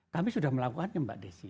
kami sudah melakukannya mbak desi